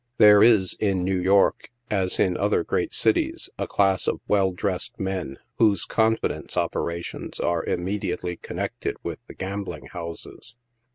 There is, in New York, as in other great cities, a class of well dressed men, whose " confidence" operations are immediately con nected with the gambling houses.